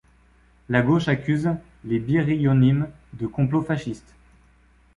La gauche accuse les Birionim de complot fasciste.